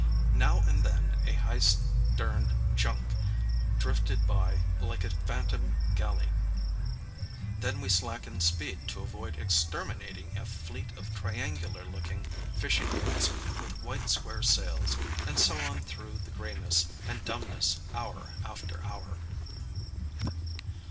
Now and then a high sterned junk drifted by like a phantom galley, then we slackened speed to avoid exterminating a fleet of triangular looking fishing boats with white square sails, and so on through the grayness and dumbness hour after hour.